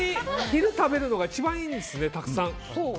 昼に食べるのが一番いいんですね、たくさん。